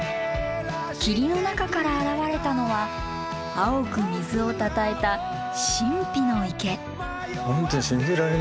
霧の中から現れたのは青く水をたたえた神秘の池。